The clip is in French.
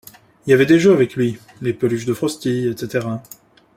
Il y avait des jeux avec lui, les peluches de Frosty etc.